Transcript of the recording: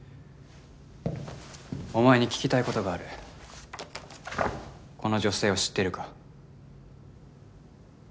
お前に聞きたいことがあるこの女性を知ってるか？